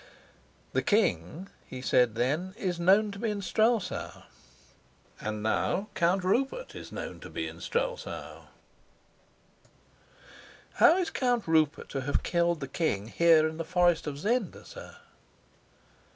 "The king," he said then, "is known to be in Strelsau; and now Count Rupert is known to be in Strelsau. How is Count Rupert to have killed the king here in the forest of Zenda, sir?"